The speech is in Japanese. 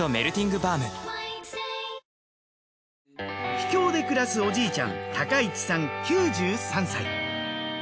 秘境で暮らすおじいちゃん一さん９３歳。